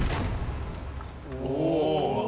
お！